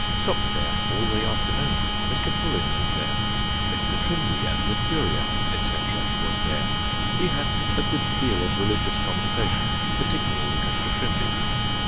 Stopped there all the afternoon. Mr. Pullin was there; Mr. Trimby and the Curyer, &c., was there. We had a good deal of religious conversation, particularly Mr. Trimby.